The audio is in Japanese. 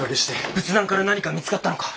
仏壇から何か見つかったのか？